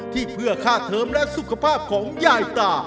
ที่เพื่อค่าเทิมและสุขภาพของยายตา